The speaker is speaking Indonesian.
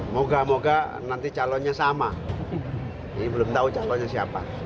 moga moga nanti calonnya sama jadi belum tahu calonnya siapa